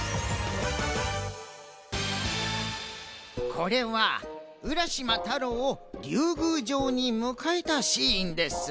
これは浦島太郎をりゅうぐうじょうにむかえたシーンです。